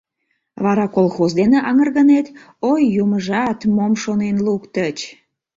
Вара колхоз дене аҥыргынет, ой юмыжат, мом шонен луктыч.